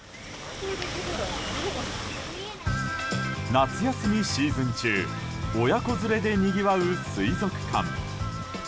夏休みシーズン中親子連れでにぎわう水族館。